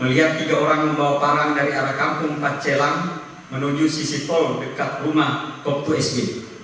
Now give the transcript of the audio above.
melihat tiga orang membawa parang dari arah kampung pak celang menuju sisi tol dekat rumah kop dua sb